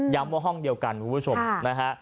ว่าห้องเดียวกันคุณผู้ชมนะฮะ